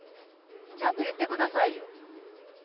ちゃんと言ってくださいよ。